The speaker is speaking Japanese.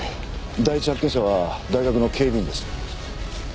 第一発見者は大学の警備員です。